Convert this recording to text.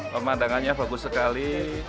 pemandangannya bagus sekali